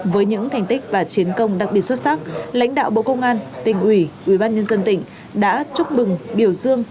với những thành tích và chiến công đặc biệt xuất sắc lãnh đạo bộ công an tỉnh ủy ubnd tỉnh đã chúc mừng biểu dương